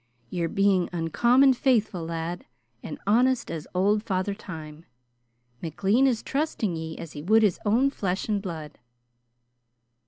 Ye're being uncommon faithful, lad, and honest as old Father Time. McLean is trusting ye as he would his own flesh and blood."